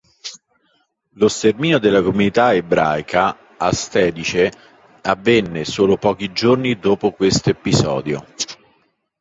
Lo sterminio della comunità ebraica a Siedlce avvenne solo pochi giorni dopo questo episodio.